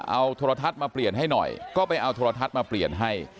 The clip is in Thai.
เอาโทรทัศน์มาเปลี่ยนให้หน่อยก็ไปเอาโทรทัศน์มาเปลี่ยนให้